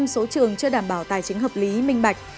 ba mươi tám số trường chưa đảm bảo tài chính hợp lý minh bạch